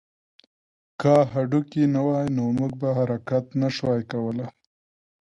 که هډوکي نه وی نو موږ به حرکت نه شوای کولی